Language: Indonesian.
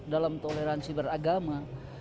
dalam toleransi beragama